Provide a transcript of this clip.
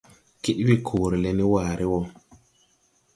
Kiɗ we koore le ne waare wɔ.